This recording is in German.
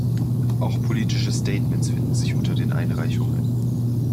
Auch politische Statements finden sich unter den Einreichungen.